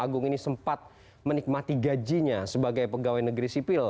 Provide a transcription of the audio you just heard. agung ini sempat menikmati gajinya sebagai pegawai negeri sipil